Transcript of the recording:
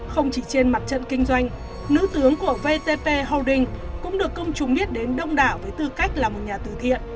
không chỉ trên mặt trận kinh doanh nữ tướng của vtp holding cũng được công chúng biết đến đông đảo với tư cách là một nhà từ thiện